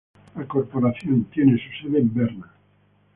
La corporación tiene su sede en Berna.